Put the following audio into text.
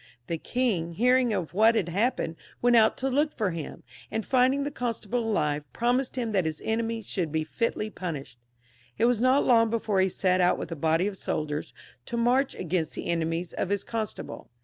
The king, hearing of what had happened, went out to look for him ; and finding the constable alive, promised hiTn that his enemy should be fitly punished. It was not long before he set out vidth a body of soldiers to march against the enemies of his constable.